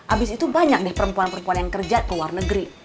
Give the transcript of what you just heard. abis itu banyak nih perempuan perempuan yang kerja ke luar negeri